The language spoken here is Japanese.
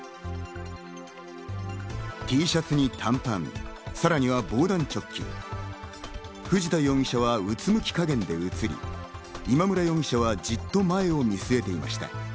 Ｔシャツに短パン、さらには防弾チョッキ、藤田容疑者はうつむき加減で映り、今村容疑者はじっと前を見据えていました。